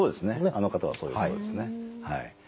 あの方はそういうことですね。